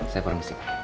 saya permisi pak